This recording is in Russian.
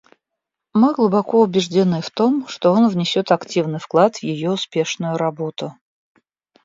Мы глубоко убеждены в том, что он внесет активный вклад в ее успешную работу.